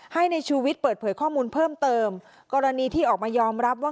ให้ในชูวิทย์เปิดเผยข้อมูลเพิ่มเติมกรณีที่ออกมายอมรับว่า